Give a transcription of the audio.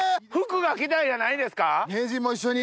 名人も一緒に。